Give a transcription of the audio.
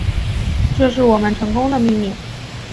这是我们成功的秘密